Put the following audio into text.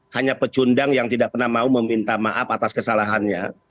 hanya pecundang yang tidak pernah mau meminta maaf atas kesalahannya